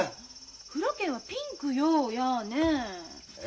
風呂券はピンクよ嫌ねえ。